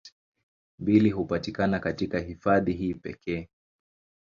Mbili hupatikana katika hifadhi hii pekee